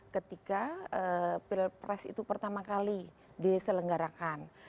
ketika pilpres itu pertama kali diselenggarakan